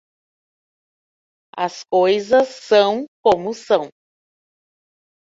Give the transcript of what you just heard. As coisas são como são.